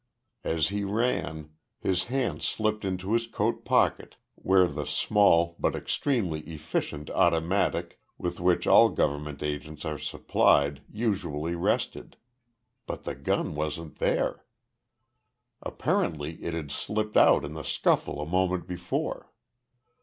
As he ran, his hand slipped into his coat pocket where the small, but extremely efficient, automatic with which all government agents are supplied usually rested. But the gun wasn't there! Apparently it had slipped out in the scuffle a moment before.